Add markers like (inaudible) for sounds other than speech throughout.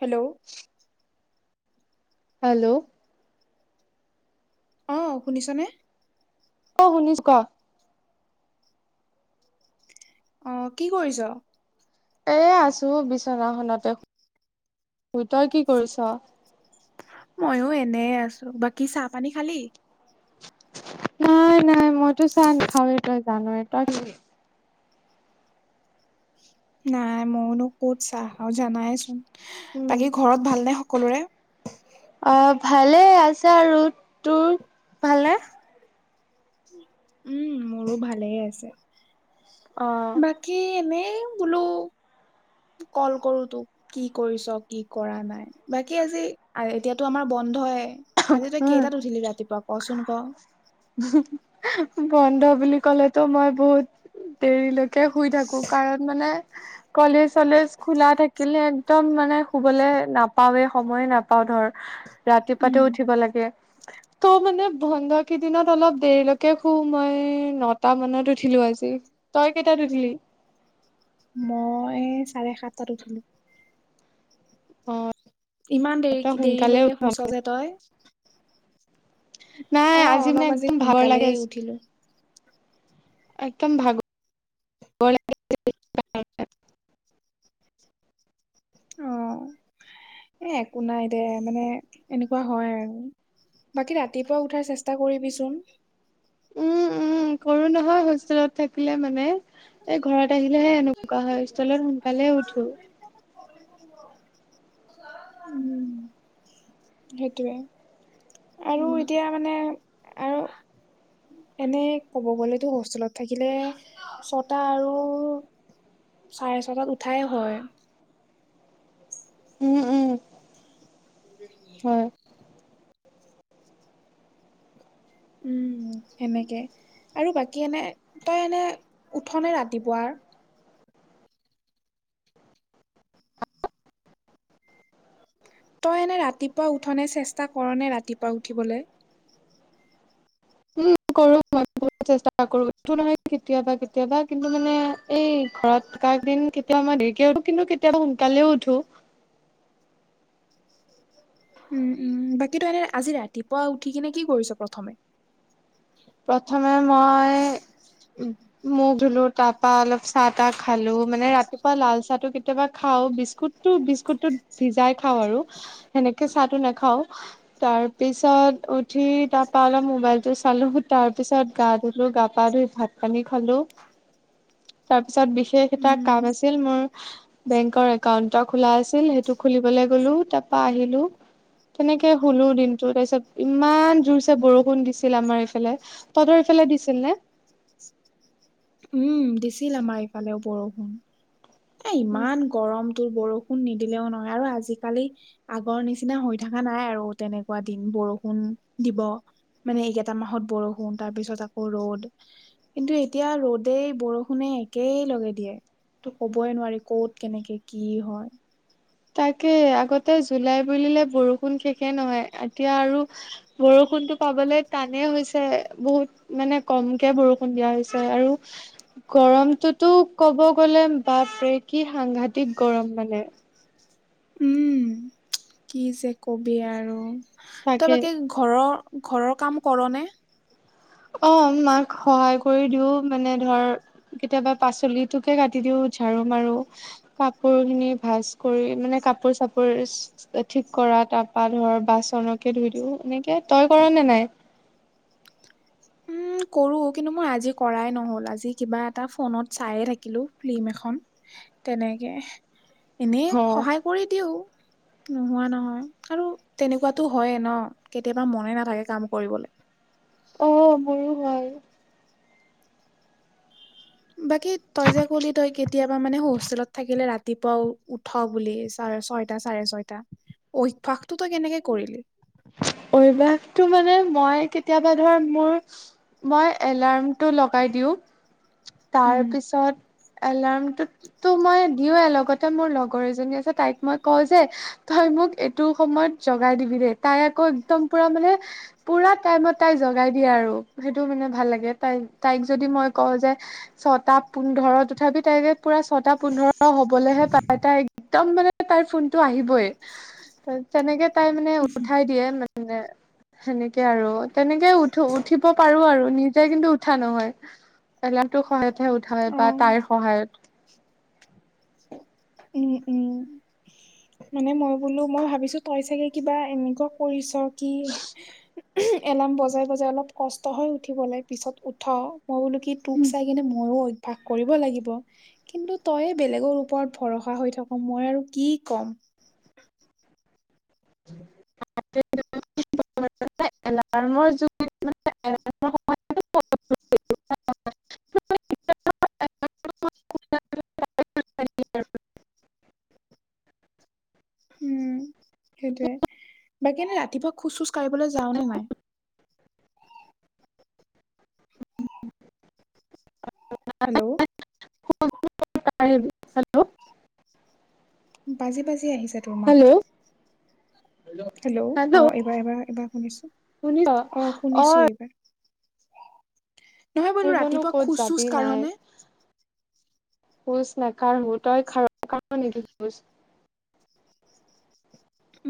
Hello hello অ শুনিছনে? ক শুনিছোঁ ক? অ কি কৰিছ? এ আছো বিচনাখনতে শুই, তই কি কৰিছ? মইও এনে আছো, বাকী চাহ পানী খালি? নাই নাই মইতো চাহ নাখাৱে তই জানয়ে তই কি কৰিলি নাই ম'নো ক'ত চাহ আৰু জানাই চোন, উম বাকী ঘৰত ভালনে সকলোৰে? অ ভালে আছে আৰু। তোৰ ভালনে? উম মোৰো ভালে আছে। অ। কি এনেই বোলো কল কৰো তোক। কি কৰিছ কি কৰা নাই? বাকী আজি আ এতিয়াতো আমাৰ বন্ধই। আজি তই উম কেইটাত উঠিলি ৰাতিপুৱা কচোন ক? হুম অ বন্ধ বুলি ক'লেতো মই বহুত দেৰিলৈকে শুই থাকো কাৰণ মানে কলেজ চলেজ খোলা থাকিলে একদম মানে শুবলে নাপাওৱে সময়ে নাপাওঁ ধৰ। উম ৰাতিপুৱাতে উঠিব লাগে। তৌ মানে বন্ধ কেইদিনত অলপ দেৰিলৈকে শু মই নটা মানত উঠিলো আজি। তই কেইটাত উঠিলি? মই চাৰে সাতটাত উঠিলো। অ। ইমান তই দেৰি সোনকালে দেৰিলৈকে উঠ। শুইছ যে তই? নাই অ আজি মানে অলপ একদম ভাগৰ লাগে সোনকালেই আ উঠিলো। একদম ভাগৰ লাগে। অ, এ একো নাই দে মানে এনেকুৱা হয় আৰু। বাকী ৰাতিপুৱা উঠাৰ চেষ্টা কৰিবিচোন? উম, উম কৰো নহয় হোষ্টেলত থাকিলে মানে, এ ঘৰত আহিলে হে এনু কোৱা হয়, হোষ্টেলত সোনকালে উঠো। উম। সেইটোৱে আৰু এতিয়া মানে আৰু এনে ক'ব গ'লেতো হোষ্টেলত থাকিলে ছটা আৰু চাৰে ছটাত উঠাই হয়। উম উম (unintelligible) হয় উম সেনেকে আৰু বাকী এনে তই এনে উঠ নে ৰাতিপুৱাৰ? তই এনে ৰাতিপুৱা উঠনে চেষ্টা কৰ নে ৰাতিপুৱা উঠিবলে? উম কৰো মই। বহুত চেষ্টা কৰো উঠো নহয় কেতিয়াবা কেতিয়াবা কিন্তু মানে এই ঘৰত থকা কেইদিন কেত তিয়া মই দেৰিকে উঠো কিন্তু কেতিয়াবা সোনকালেও উঠো। উম উম বাকী তই এনে আজি ৰাতিপুৱা উঠি কিনে কি কৰিছ প্ৰথমে? প্ৰথমে মই মুখ ধুলো তাপা অলপ চাহ তাহ খালো মানে ৰাতিপুৱা লাল চাহ টো কেতিয়াবা খাও বিস্কুতটো বিস্কুতটো ভিজাই খাও আৰু সেনেকে চাহটো নাখাও তাৰ পিছত উঠি তাপা অলপ মোবাইল টো চালো তাৰ পিছত গা ধুলো গা পা ধুই ভাত পানী খালো। তাৰপিছত বিশেষ এটা উম কাম আছিল মোৰ বেংকৰ একাউন্ট এটা খোলা আছিল সেইটো খুলিবলে গলো তাপা আহিলো। তেনেকে শুলো দিনটো তাৰপিছত ইমান জোৰছে বৰষুণ দিছিল আমাৰ এইফালে তদৰ সেইফালে দিছিল নে? উম দিছিল আমাৰ ইফালেও বৰষুণ এ ইমান গৰমটো বৰষুণ নিদিলেও নহয় আৰু আজিকালি আগৰ নিচিনা হৈ থকা নাই আৰু তেনেকুৱা দিন বৰষুণ দিব। মানে এইকেইটা মাহত বৰষুণ তাৰপিছত আকৌ ৰ'দ কিন্তু এতিয়া ৰ'দ- দেই বৰষুণে একেই লগে দিয়ে তো কবই নোৱাৰি কত কেনেকে কি হয়। তাকে আগতে জুলাই বুলিলে বৰষুণ শেষে নহয় এতিয়া আৰু। বৰষুণটো পাবলে টানেই হৈছে বহুত। মানে কমকে বৰষুণ দিয়া হৈছে আৰু গৰমটোতো ক'ব গ'লে বাপৰে কি সাংঘাতিক গৰম মানে উম কি যে কবি আৰু তৰ তাকে বাকি ঘৰৰ ঘৰৰ কাম কৰ নে? অ মাক সহায় কৰি দিওঁ মানে ধৰ কেতিয়াবা পাচলিটোকে কাটি দিও ঝাৰু মাৰো। কাপোৰ খিনি ভাজ কৰি মানে কাপোৰ চাপোৰ। ঠিক কৰা তাৰ পৰা ধৰ বাচনকে ধুই দিও এনেকে তই কৰ নে নাই। উম কৰো কিন্তু মই আজি কৰাই নহ'ল আজি কিবা এটা ফোনত চাইে থাকিলো ফিল্ম এখন। তেনেকে এনেই অ সহায় কৰি দিও। নোহোৱা নহয় আৰু তেনেকুৱাতো হয়ে ন, কেতিয়াবা মনে নাথাকে কাম কৰিবলে। অ মোৰো হয়। বাকী তই যে কলি তই কেতিয়াবা মানে হোষ্টেলত থাকিলে ৰাতিপুৱাও- থ বুলি চ ছয়টা চাৰে ছয়টা অভ্যাসটো তই কেনেকে কৰিলি- অভ্যাসটো মানে মই কেতিয়াবা ধৰ মোৰ- মই এলাৰ্মটো লগাই দিওঁ, তাৰ উম পিছত- এলাৰ্মটো টো মই দিওৱে লগতে মোৰ লগৰ এজনী আছে তাইক মই কওঁ যে তই মোক এইটো সময়ত- জগাই দিবি দেই, তাই আকৌ একদম পুৰা মানে- পুৰা টাইমত তাই জগাই দিয়ে আৰু সেইটো মানে ভাল লাগে তাই তাইক যদি মই কওঁ যে- ছটা পোন্ধৰত উঠাবি তাইকে- পুৰা ছটা পোন্ধৰ হ'বলেহে পায় তাই একদম মানে তাই ফোনটো আহিবই। ত তেনেকে তাই মানে উঠাই দিয়ে মানে, সেনেকে আৰু তেনেকে উঠো। উঠিব পাৰো আৰু নিজে কিন্তু উঠা নহয়। এলাৰ্মটো সহায়তহে উঠায় অ বা তাইৰ সহায়ত। উম উম মানে মই বোলো মই ভাবিছো তই চাগে কিবা এনেকুৱা কৰিছ। কি এলাৰ্ম বজাই বজাই অলপ কষ্ট হৈ উঠিবলৈ পিছত উঠাও। মই বোলো কি তোক চাই কিনে মোৰো অভ্যাস কৰিব লাগিব কিন্তু তইয়ে বেলেগৰ ওপৰত- ভৰসা হৈ থাকো মই আৰু কি ক'ম। এলামৰ যো (unintelligible) উম সেইটোয়ে বাকী এনে ৰাতিপুৱা খোজ চোজ কঢ়িবলৈ যাও নে নাই। হেল্ল' (unintelligible) বাজি বাজি আহিছে তোৰ হেল্ল' মাতটো হেল্ল' অ। এবাৰ এইবাৰ শুনিছো শুনিছ অ শুনিছো এইবাৰ নহয় বোলো বনো ৰাতিপুৱা ক'ত খোজ চোজ যাবি কাঢ় নাই- নে খোচ নকাঢ়ো তই খাৰ কাঢ় নেকি খোজ।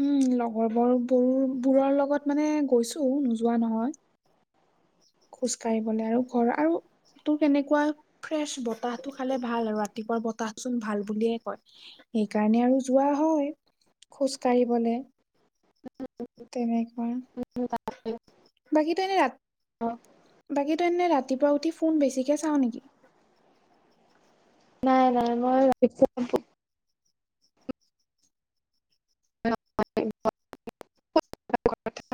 উম লগৰ বৰ বোৰ বোৰৰ লগত মানে গৈছো নোযোৱা নহয়। খোজ কাঢ়িবলৈ আৰু ঘৰ আৰু- টো কেনেকোৱা ফ্ৰেছ বতাহটো খালে ভাল আৰু ৰাতিপুৱা বতাহ চোন ভাল বুলিয়ে কয়। সেইকাৰণে আৰু যোৱা হয় খোজ কাঢ়িবলে। তেনেকোৱা, বাকীতো এনে ৰা- বাকীতো এনেই ৰাতিপুৱা উঠি ফোন বেছিকে চাওঁ নেকি? নাই নাই মই বেছি ফোনটো- (unintelligible)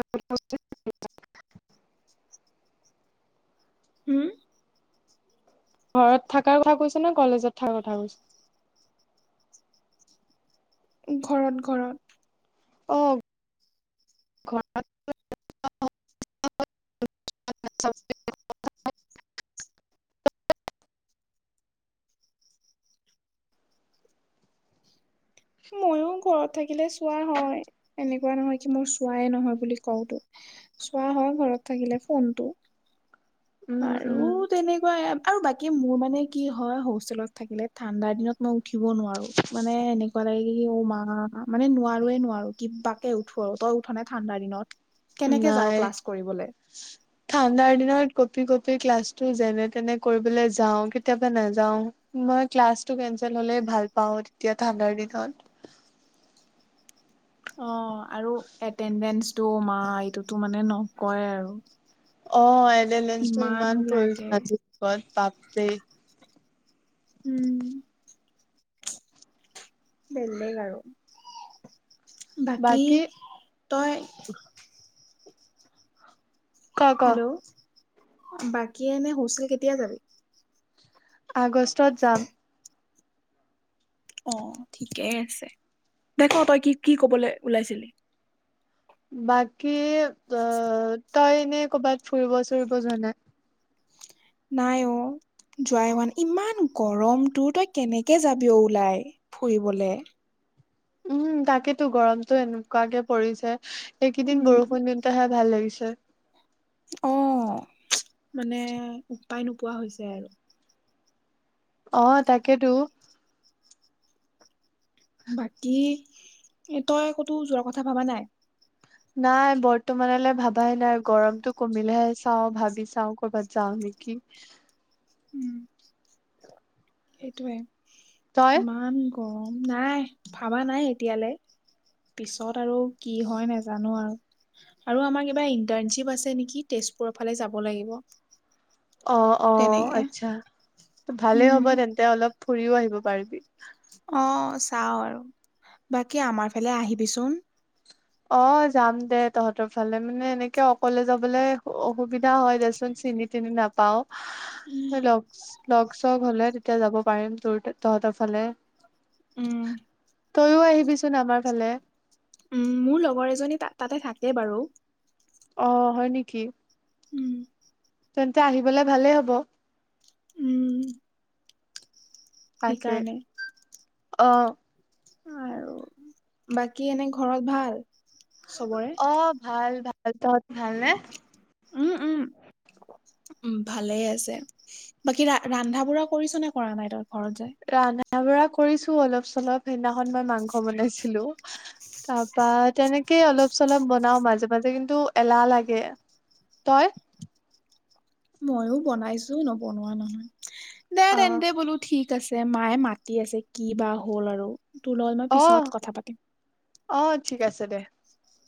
(unintelligible) হুম? ঘৰত থাকাৰ কথা কৈছে নে, কলেজত থিকাৰ কথা কৈছে? ঘৰত ঘৰত। অ খোৱা ময়ো ঘৰত থাকিলে চোৱা হয় এনেকোৱা নহয় কি মোৰ চোৱাই নহয় বুলি কওতো। চোৱা হয় ঘৰত থাকিলে ফোনটো উম উম আৰু তেনেকোৱা আৰু বাকী মোৰ মানে কি হয় হোষ্টেলত থাকিলে, ঠাণ্ডাৰ দিনত মই উঠিব নোৱাৰো। মানে এনেকোৱা লাগে কি, অ মা, মানে নোৱাৰোয়ে, নোৱাৰো, কিবাকে উঠো আৰু। তই উঠ নে ঠাণ্ডা দিনত, কেনেকে যাও নাই ক্লাছ কৰিবলে? ঠাণ্ডাৰ দিনত কপি কপি ক্লাছটো যেনে তেনে কৰিবলৈ যাও, কেতিয়াবা নাযাওঁ, মই ক্লাছটো কেনচেল হলে ভাল পাওঁ তেতিয়া, ঠাণ্ডাৰ দিনত। অ আৰু এটেনডেঞ্চটো মা'এইটোতো মানে নকয় আৰু। অ এ এটেডেঞ্চটো ইমান প্ৰয়োজন আজিৰ (unintelligible) লগত বাপ ৰে। উম। বেলেগ আৰু। বাকী তই ক ক হেল্ল' বাকী এনে হষ্টেল কেতিয়া যাবি? আগষ্টত যাম। অ ঠিকেই আছে। দে তই ক কি কি কবলৈ ওলাইছিলি? বাকী, অ' তই এনে কৰ'বাত ফুৰিব চুৰিব যোৱা না? নাই অ যোৱাই হোৱা নাই। ইমান গৰমতো তই কেনেকে যাবি অ ওলাই' ফুৰিবলে। উম তাকেতো, গৰমতটো এনেকুৱাকে পৰিছে, সেইকেইদিন উম। বৰষুণ দিওঁতে হে ভাল লাগিছে। অ, মানে উপায় নোপোৱা হৈছে আৰু। অ তাকেতো। বাকী' তই কতো যোৱাৰ কথা ভাবা নাই? নাই বৰ্তমানলৈ ভাবাই নাই, গৰমতো কমিলেহে চাও, ভাবি চাও, কৰবাত যাও নে কি? উম। সেইটোৱে। তই ইমান গৰম, নাই ভাবা নাই এতিয়ালে। পিছত আৰু কি হয় নাজানো আৰু। আৰু আমাৰ কিবা ইন্টাৰশ্বিপ আছে নেকি? তেজপুৰ ফালে যাব লাগিব। অ অ তেনেকে। আচ্ছা, ভালেই উম, হ'ব তেন্তে অলপ ফুৰিও আহিব পাৰিবি। অ চাও আৰু। বাকী আমাৰ ফালে আহিবিচোন? অ যাম দে তহঁতৰ ফালে। মানে এনেকে অকলে যাবলে অসুবিধা হয় দে চিনি-তিনি নাপাওঁ। লগ লগ-চগ হলে তেতিয়া যাব পাৰিম, তোৰ তহঁতৰ ফালে। উম, তইও আহিবিচোন আমাৰ ফালে। উম মোৰ লগৰ এজনী তাত তাতে থাকে বাৰু। অ হয় নেকি? উম। তেন্তে আহিবলে ভালেই হ'ব। ওম তাকে, অঁ। আৰু বাকী এনে ঘৰত ভাল? চবৰে? অ ভাল ভাল, তহঁত ভাল নে? উম উম। উ ভালে আছে। বাকী ৰা ৰান্ধা-বঢ়া কৰিছ না কৰা নাই তই ঘৰত যায়? ৰন্ধা-বঢ়া কৰিছো অলপ-চলপ, সেইদিনাখন মই মাংস বনাইছিলোঁ, তাৰপা তেনেকে অলপ-চলপ বনাও মাজে মাজে কিন্তু এলাহ লাগে। তই? ময়ো বনাইছো নবনোৱা নহয় দে, অ তেন্তে বোলো ঠিক আছে, মায়ে মাতি আছে কি বা হ'ল আৰু তোৰ লগত মই পিছত কথা পাতিম। অঁ ঠিক আছে দে।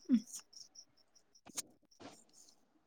উম